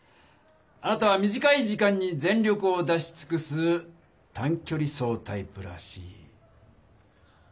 あなたは短い時間に全力を出しつくす短距離走タイプらしい。